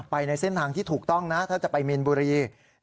ในเส้นทางที่ถูกต้องนะถ้าจะไปมีนบุรี